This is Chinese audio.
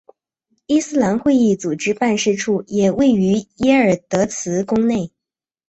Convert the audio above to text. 伊斯兰会议组织办事处也位于耶尔德兹宫内。